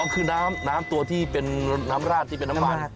คือน้ำตัวที่เป็นน้ำราดที่เป็นน้ำมัน